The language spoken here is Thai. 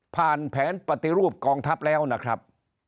ผ่านแผนปฏิรูปกองทัพแล้วนะครับ